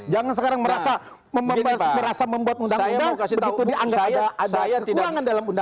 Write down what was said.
jangan sekarang merasa membuat undang undang begitu dianggap ada kekurangan dalam undang undang